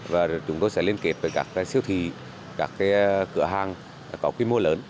và chúng tôi sẽ liên kết với các siêu thị các cửa hàng có quy mô lớn